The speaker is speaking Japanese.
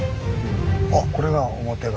あっこれが表側。